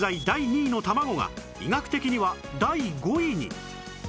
第２位の卵が医学的には第５位に